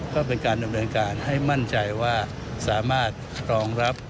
ก็เป็นการดำเนินการให้มั่นใจว่าสามารถรองรับ